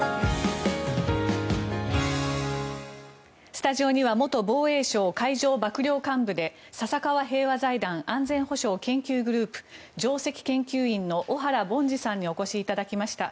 スタジオには元防衛省海上幕僚監部で笹川平和財団安全保障研究グループ上席研究員の小原凡司さんにお越しいただきました。